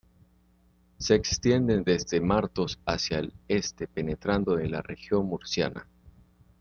Se extiende desde Martos hacia el este penetrando en la región murciana.